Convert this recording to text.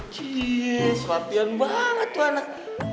cilis latihan banget tuh anak